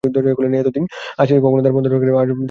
এতদিন আসিয়াছে কখনো দ্বার বন্ধ দেখে নাই, আজ দেখিল দরজা খোলা নহে।